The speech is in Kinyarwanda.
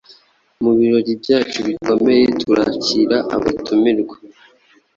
mubirori byacu bikomeye turakira abatumirwa